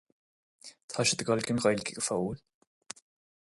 Tá siad ag gabháil don Ghaeilge go fóill.